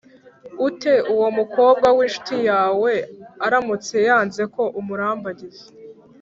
ute uwo mukobwa w incuti yawe aramutse yanze ko umurambagiza